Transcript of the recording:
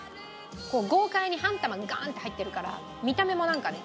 豪快に半玉ガーンって入ってるから見た目もなんかね。